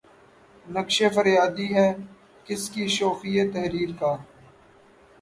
نقش فریادی ہے کس کی شوخیٴ تحریر کا؟